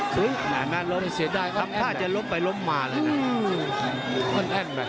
สำคัญจะล้มไปล้มมาเลยนะ